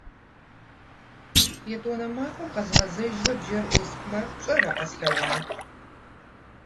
ЕтӀуанэ махуэм къэзгъэзэжрэ бжэр Ӏусхмэ, пщӀэрэ къэслъэгъуар?